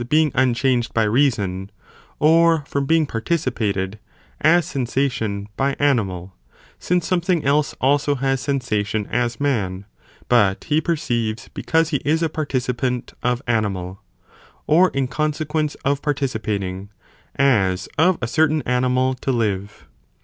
α Arm being unchanged by reason, or from being parti and conatent cipated, as sensation, by animal, (since something ον else also has sensation as man, but he perceives because he is ἃ participant of animal,) or in consequence of participating, as of a certain animal to live.